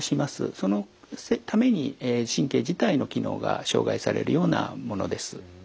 そのために神経自体の機能が障害されるようなものです。